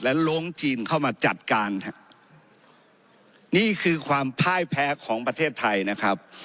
ลงจีนเข้ามาจัดการฮะนี่คือความพ่ายแพ้ของประเทศไทยนะครับ